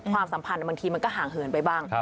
ความสัมพันธ์บางทีมันก็ห่างเหินไปบ้าง